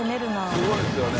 すごいですよね。